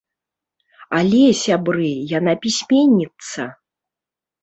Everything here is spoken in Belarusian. Але, сябры, яна пісьменніца!